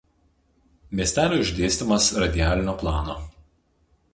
Miestelio išdėstymas radialinio plano.